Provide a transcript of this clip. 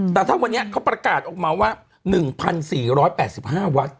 แต่ถ้าวันนี้เขาประกาศออกมาว่า๑๔๘๕วัด